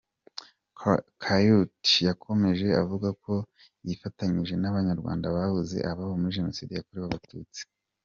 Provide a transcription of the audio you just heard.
Coyault yakomeje avuga ko yifatanyije n’Abanyarwanda babuze ababo muri Jenoside yakorewe Abatutsi.